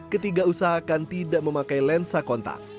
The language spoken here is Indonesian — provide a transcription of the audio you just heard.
ketiga usahakan tidak memakai lensa kontak